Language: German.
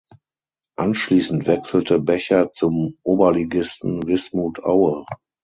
Anschließend wechselte Becher zum Oberligisten Wismut Aue.